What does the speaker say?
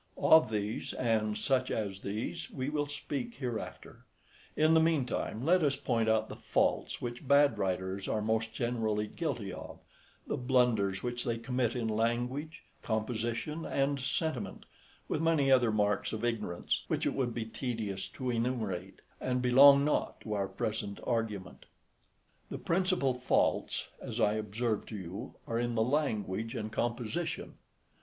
Of these, and such as these, we will speak hereafter; in the meantime let us point out the faults which bad writers are most generally guilty of, the blunders which they commit in language, composition, and sentiment, with many other marks of ignorance, which it would be tedious to enumerate, and belong not to our present argument. The principal faults, as I observed to you, are in the language and composition.